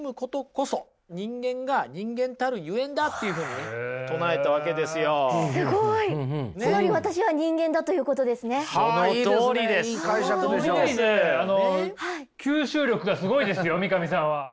吸収力がすごいですよ三上さんは。